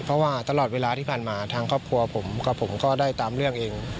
เพราะว่าตลอดเวลาที่ผ่านมาทางครอบครัวผมกับผมก็ได้ตามเรื่องเอง